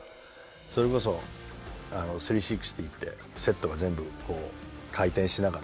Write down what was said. それこそ３６０ってセットが全部回転しながら。